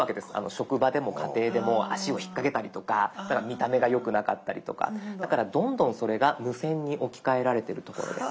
職場でも家庭でも足を引っかけたりとか見た目が良くなかったりとかだからどんどんそれが無線に置き換えられてるところです。